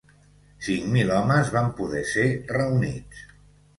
Cinc mil homes van poder ser reunits.